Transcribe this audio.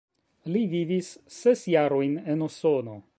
Li vivis ses jarojn en Usono.